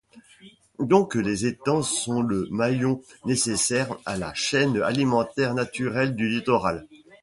Donc les étangs sont le maillon nécessaire à la chaîne alimentaire naturelle du littoral.